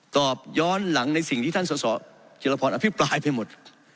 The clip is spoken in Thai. ตอบย้อนหลังในสิ่งที่ท่านสสจิรพรอภิปรายไปหมด